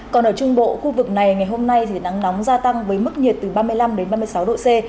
còn ở trung bộ khu vực này ngày hôm nay thì nắng nóng gia tăng với mức nhiệt từ ba mươi năm ba mươi sáu độ c